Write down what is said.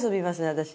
私。